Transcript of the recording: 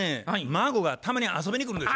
孫がたまに遊びに来るんです。